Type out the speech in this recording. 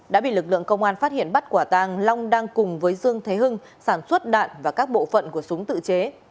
đã bị lực lượng công an phát hiện bắt quả tàng long đang cùng với dương thế hưng sản xuất đạn và các bộ phận của súng tự chế